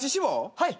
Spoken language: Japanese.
はい。